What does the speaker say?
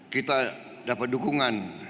kita dapat dukungan